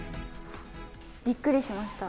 びっくりしました。